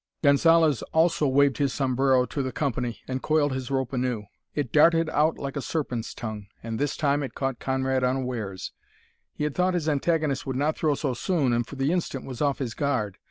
Gonzalez also waved his sombrero to the company, and coiled his rope anew. It darted out like a serpent's tongue, and this time it caught Conrad unawares; he had thought his antagonist would not throw so soon and for the instant was off his guard.